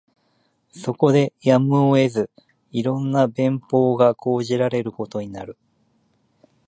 そこでやむを得ず、色んな便法が講じられることになる